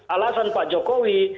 alasan pak jokowi